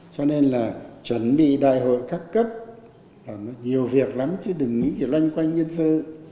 cho nên là chuẩn bị đại hội các cấp là nó nhiều việc lắm chứ đừng nghĩ chỉ loanh quanh nhân sự